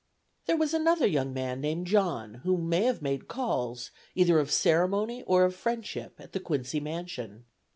There was another young man named John, who may have made calls either of ceremony or of friendship at the Quincy mansion.